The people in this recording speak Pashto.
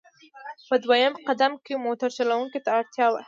په دویم قدم کې موټر چلوونکو ته اړتیا وه.